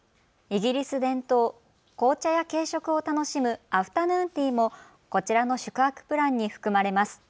イギリス伝統、紅茶や軽食を楽しむアフタヌーンティーもこちらの宿泊プランに含まれます。